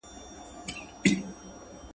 • چي زوړ سې، نر به دي بولم چي په جوړ سې.